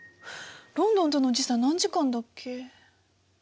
ロンドンとの時差何時間だっけ？